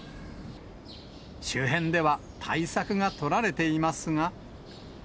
周辺では、対策が取られていますが。